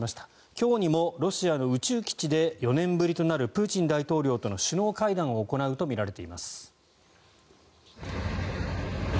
今日にもロシアの宇宙基地で４年ぶりとなるプーチン大統領との首脳会談を行うとみられています。